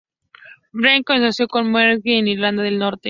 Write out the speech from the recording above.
Blaise Cronin nació en Newry en Irlanda del Norte.